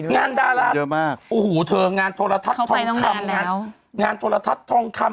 งานดารัชอ๋อโหเธองานโทษละทัศน์ทองคำงานโทษละทัศน์ทองคำ